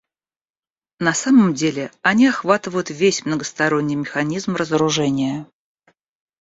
На самом деле они охватывают весь многосторонний механизм разоружения.